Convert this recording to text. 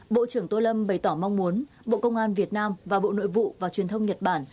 bộ trưởng tô lâm bày tỏ mong muốn bộ công an việt nam và bộ nội vụ và truyền thông nhật bản